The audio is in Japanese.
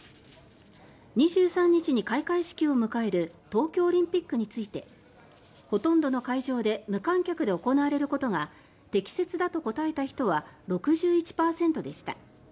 ２３日に開会式を迎える東京オリンピックについてほとんどの会場で無観客で行われることが適切だと答えた人は６１％でした。